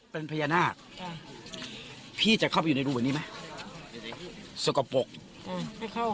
เป็นพญานาคค่ะพี่จะเข้าไปอยู่ในรูแบบนี้ไหมสกปรกไม่เข้า